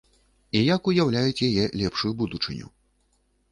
І як уяўляюць яе лепшую будучыню.